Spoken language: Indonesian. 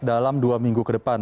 dalam dua minggu ke depan